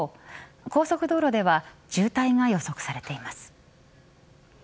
高速道路では渋滞が予測されています。